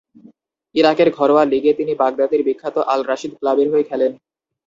ইরাকের ঘরোয়া লীগে তিনি বাগদাদের বিখ্যাত আল-রাশিদ ক্লাবের হয়ে খেলেন।